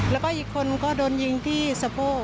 แล้วก็อีกคนก็โดนยิงที่สะโพก